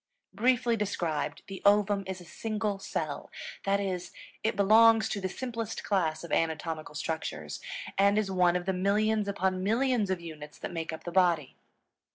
Briefly described, the ovum is a single cell. That is, it belongs to the simplest class of anatomical structures, and is one of the millions upon millions of units that make up the body.